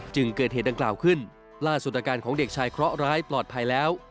เกิดเหตุดังกล่าวขึ้นล่าสุดอาการของเด็กชายเคราะหร้ายปลอดภัยแล้ว